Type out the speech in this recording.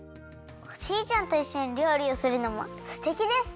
おじいちゃんといっしょにりょうりをするのもすてきです！